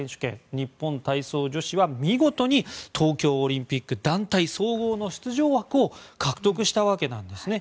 日本体操女子は見事に東京オリンピック団体総合の出場枠を獲得したわけなんですね。